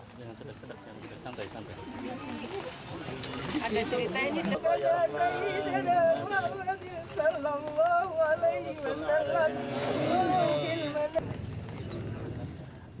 jangan sederhana santai santai